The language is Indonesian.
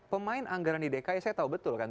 pemain anggaran di dki saya tahu betul kan